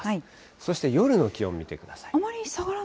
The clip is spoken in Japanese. そして夜の気温見てください。